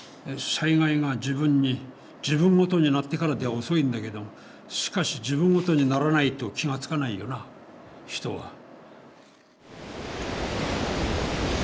災害が自分ごとになってからでは遅いんだけどしかし自分ごとにならないと気が付かないよな人は。